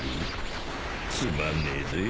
つまんねえぜ。